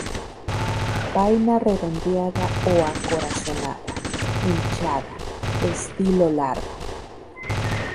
Vaina redondeada o acorazonada, hinchada; estilo largo.